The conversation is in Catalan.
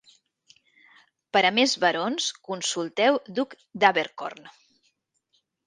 Per a més barons, consulteu "Duc d'Abercorn".